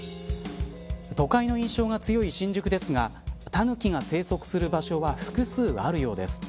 都会の印象が強い新宿ですがタヌキが生息する場所は複数あるようです。